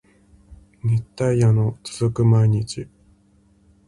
熱帯夜の続く毎日